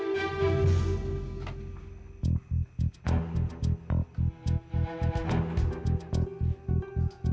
mengajar awas kamu